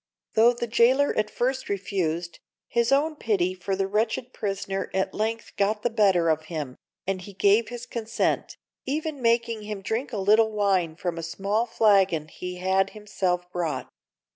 Though the jailer at first refused, his own pity for the wretched prisoner at length got the better of him, and he gave his consent, even making him drink a little wine from a small flagon he had himself brought.